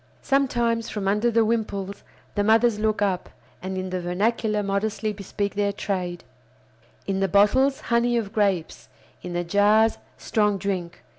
Sometimes, from under the wimples, the mothers look up, and in the vernacular modestly bespeak their trade: in the bottles "honey of grapes," in the jars "strong drink."